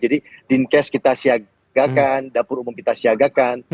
jadi dinkes kita siagakan dapur umum kita siagakan